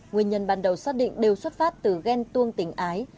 nguyên nhân ban đầu xác định đều xuất phát từ ghen tuông tình ái